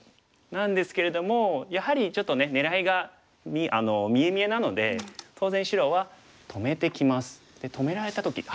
なんですけれどもやはりちょっとね狙いが見え見えなので当然白は止めてきます。で止められた時。